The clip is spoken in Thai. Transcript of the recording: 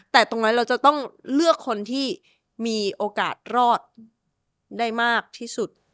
แต่ตรงนั้นเราจะต้องเลือกคนที่มีโอกาสรอดได้มากที่สุด